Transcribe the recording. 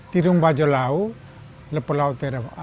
tidung bajo lau lepo lau tena wutung